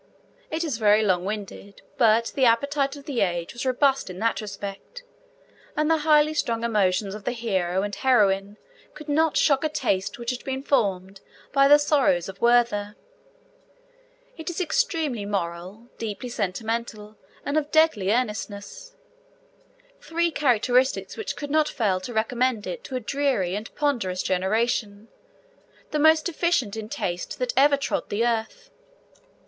It is very long winded, but the appetite of the age was robust in that respect, and the highly strung emotions of the hero and heroine could not shock a taste which had been formed by the Sorrows of Werther. It is extremely moral, deeply sentimental, and of a deadly earnestness three characteristics which could not fail to recommend it to a dreary and ponderous generation, the most deficient in taste that ever trod the earth.